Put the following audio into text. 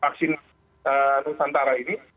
vaksin nusantara ini